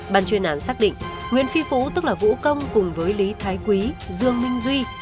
bàn chuyên án xác định nguyễn phi phú tức là vũ công cùng với lý thái quý dương minh duy